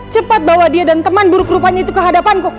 cepat bawa dia dan teman buruk rupanya itu ke hadapanku